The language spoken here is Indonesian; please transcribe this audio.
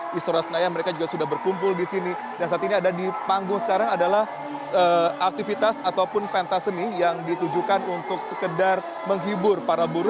di istora senayan mereka juga sudah berkumpul di sini dan saat ini ada di panggung sekarang adalah aktivitas ataupun pentas seni yang ditujukan untuk sekedar menghibur para buruh